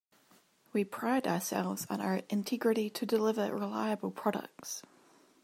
We pride ourselves on our integrity to deliver reliable products.